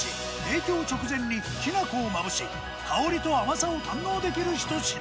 提供直前にきな粉をまぶし香りと甘さを堪能できるひと品。